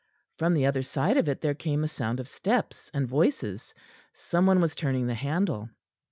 From the other side of it there came a sound of steps and voices. Some one was turning the handle.